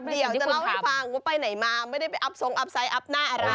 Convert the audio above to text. เดี๋ยวจะเล่าให้คุณฟังว่าไปไหนมาไม่ได้เป็นอับสงครรภ์อับไซต์อับหน้า